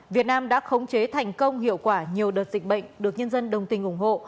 việt nam đã khống chế thành công hiệu quả nhiều đợt dịch bệnh được nhân dân đồng tình ủng hộ